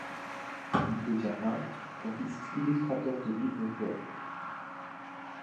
Il devient peintre, graphiste, illustrateur de livre et poète.